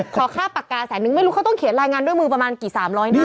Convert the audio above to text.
ขอค่าปากกาแสนนึงไม่รู้เขาต้องเขียนรายงานด้วยมือประมาณกี่สามร้อยหน้า